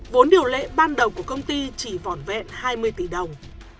vốn điều lệ ban đầu của công ty chỉ vòn vẹn hai mươi tỷ đồng